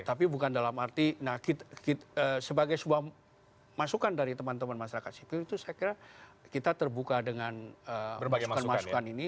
tapi bukan dalam arti sebagai sebuah masukan dari teman teman masyarakat sipil itu saya kira kita terbuka dengan masukan masukan ini